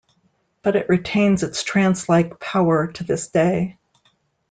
But it retains its trancelike power to this day.